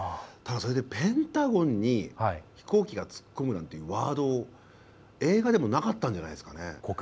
ペンタゴンに飛行機が突っ込むなんていうワード映画でもなかったんじゃないですかね。